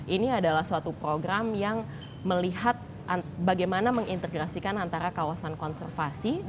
ini adalah suatu program yang melihat bagaimana mengintegrasikan antara kawasan konservasi